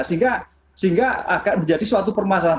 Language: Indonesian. sehingga sehingga agak menjadi suatu permohonan